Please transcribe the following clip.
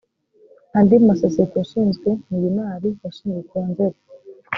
andi mashyaka yashinzwe ni unar yashinzwe ku wa nzeri